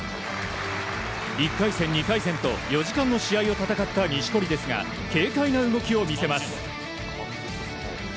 １回戦、２回戦と４時間の試合を戦った錦織ですが軽快な動きを見せます。